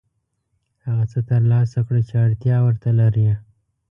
هغه څه ترلاسه کړه چې اړتیا ورته لرې.